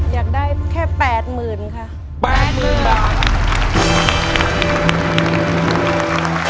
อยากได้แค่๘หมื่นค่ะ